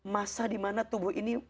masa dimana tubuh ini